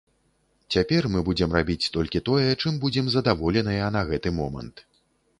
Цяпер мы будзем рабіць толькі тое, чым будзем задаволеныя на гэты момант.